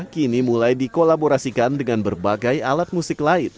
kini mulai dikolaborasikan dengan berbagai alat musik lain